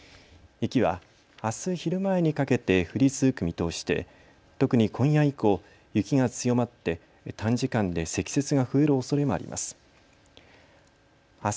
雪はあす昼前にかけて降り続く見通しで特に今夜以降、雪が強まって短時間で積雪が増えるおそれもあります。